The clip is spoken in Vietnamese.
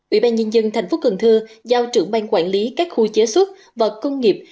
ủy ban nhân dân thành phố cần thơ giao trưởng ban quản lý các khu chế xuất và công nghiệp